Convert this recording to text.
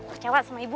wajah wajah sama ibu